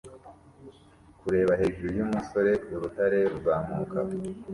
Kureba hejuru yumusore urutare ruzamuka